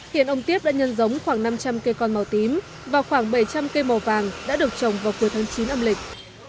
hiện ông tiếp đã nhân giống khoảng năm trăm linh cây con màu tím và khoảng bảy trăm linh cây màu vàng đã được trồng vào cuối tháng chín âm lịch